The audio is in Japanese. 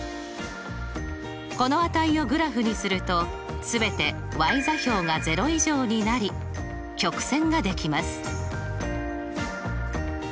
この値をグラフにすると全て座標が０以上になり曲線ができます。